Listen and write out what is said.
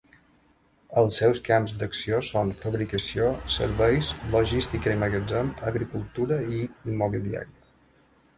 Els seus camps d'acció són fabricació, serveis, logística i magatzem, agricultura i immobiliària.